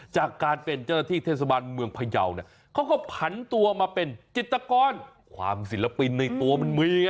จากการเป็นเจ้าหน้าที่เทศบาลเมืองพยาวเนี่ยเขาก็ผันตัวมาเป็นจิตกรความศิลปินในตัวมันมีไง